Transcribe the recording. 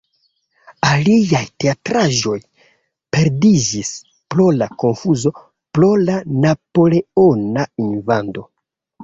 Aliaj teatraĵoj perdiĝis pro la konfuzo pro la napoleona invado.